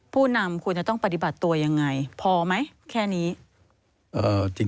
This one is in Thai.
ผู้นำควรจะต้องปฏิบัติตัวยังไงพอไหมแค่นี้